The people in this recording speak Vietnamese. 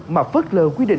mà phất lờ quy định